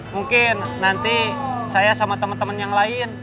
mungkin nanti saya sama temen temen yang lain